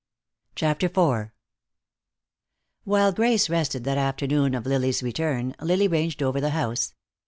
CHAPTER IV While Grace rested that afternoon of Lily's return, Lily ranged over the house.